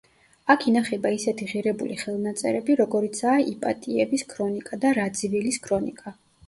აქ ინახება ისეთი ღირებული ხელნაწერები, როგორიცაა: იპატიევის ქრონიკა და რაძივილის ქრონიკა.